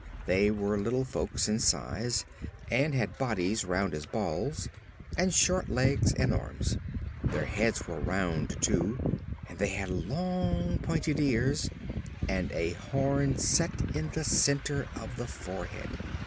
They were little folks in size and had bodies round as balls and short legs and arms. Their heads were round, too, and they had long, pointed ears and a horn set in the center of the forehead.